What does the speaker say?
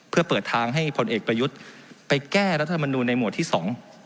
เพื่อเปิดทางให้ผลเอกประยุทธ์ไปแก้รัฐมนูลในหมวดที่สอง